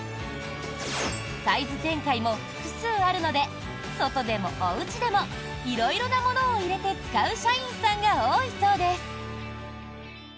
サイズ展開も複数あるので外でもおうちでも色々なものを入れて使う社員さんが多いそうです。